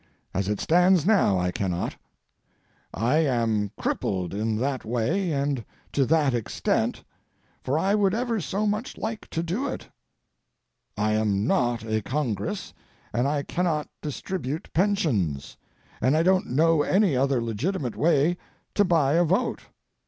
As it stands now, I cannot. I am crippled in that way and to that extent, for I would ever so much like to do it. I am not a Congress, and I cannot distribute pensions, and I don't know any other legitimate way to buy a vote.